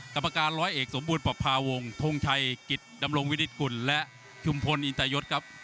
กรรมการร้อยเอกสมบูรณประพาวงทงชัยกิจดำรงวินิตกุลและชุมพลอินตายศครับ